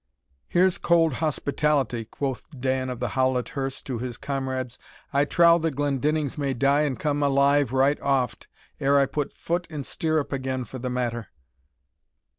"Here's cold hospitality," quoth Dan of the Howlet hirst to his comrades; "I trow the Glendinnings may die and come alive right oft, ere I put foot in stirrup again for the matter."